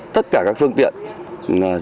tất cả các phương tiện